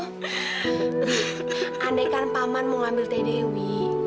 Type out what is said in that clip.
bibi andaikan pak man mau ngambil teh dewi